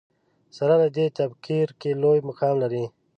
سره له دې تفکر کې لوی مقام لري